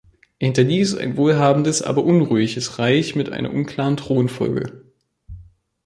Er hinterließ ein wohlhabendes, aber unruhiges Reich mit einer unklaren Thronfolge.